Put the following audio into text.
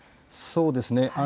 そうですね。